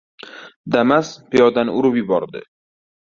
“Damas” piyodani urib yubordi